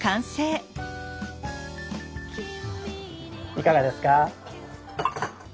いかがですか？